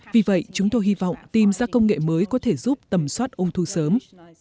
vì vậy chúng tôi hy vọng tìm ra công nghệ mới có thể giúp tầm soát ung thư sớm